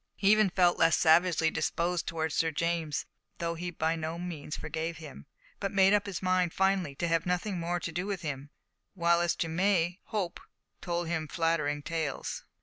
He even felt less savagely disposed towards Sir James, though he by no means forgave him, but made up his mind finally to have nothing more to do with him, while as to May hope told him flattering tales.